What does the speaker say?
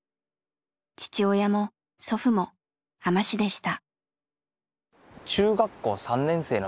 父親も祖父も海士でした。